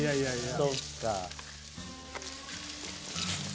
そっか。